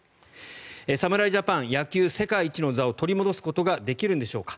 侍ジャパン、野球世界一の座を取り戻すことができるんでしょうか。